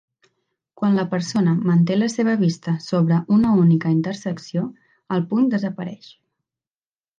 Quan la persona manté la seva vista sobre una única intersecció, el punt desapareix.